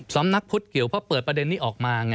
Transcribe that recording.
สำนักพุทธเกี่ยวเพราะเปิดประเด็นนี้ออกมาไง